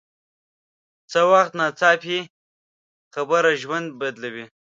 څه وخت ناڅاپي خبره ژوند بدلوي